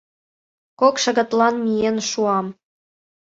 Кок шагатлан миен шуам.